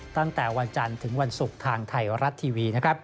ตั้งแต่วันจันทร์ถึงวันศุกร์ทางไทยรัฐทีวี